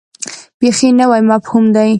بیخي نوی مفهوم دی.